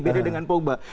beda dengan pogba